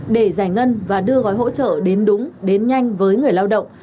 để giải ngân và đưa gói hỗ trợ đến đúng đến nhanh với người lao động